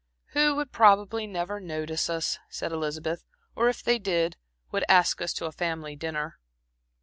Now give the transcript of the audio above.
"Who would probably never notice us," said Elizabeth "or if they did, would ask us to a family dinner."